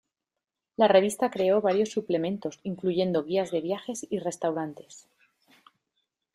La revista creó varios suplementos, incluyendo guías de viajes y restaurantes.